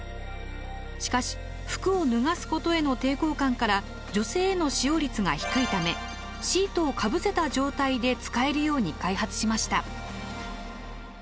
しかし服を脱がすことへの抵抗感から女性への使用率が低いためシートをかぶせた状態で使えるように開発しました。